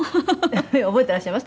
「覚えてらっしゃいます？